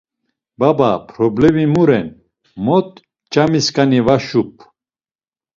Baba problemi mu ren, mot ç̆amiskani va şup?